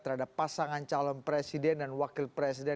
terhadap pasangan calon presiden dan wakil presiden